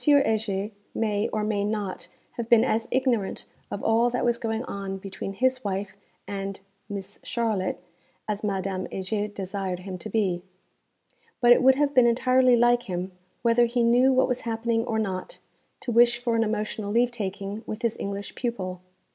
Heger may, or may not, have been as ignorant of all that was going on between his wife and 'Mees Charlotte' as Madame Heger desired him to be. But it would have been entirely like him, whether he knew what was happening or not, to wish for an emotional leave taking with his English pupil.